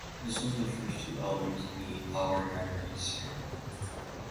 This was the first of two albums in the "Our Memories" series.